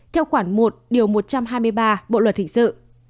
theo khoảng một một trăm hai mươi ba bộ luật hình sự